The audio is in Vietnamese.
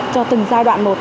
cho từng giai đoạn một